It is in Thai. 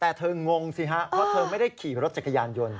แต่เธองงสิฮะเพราะเธอไม่ได้ขี่รถจักรยานยนต์